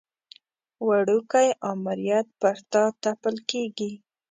وړوکی امریت پر تا تپل کېږي.